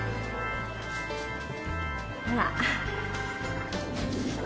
ほら。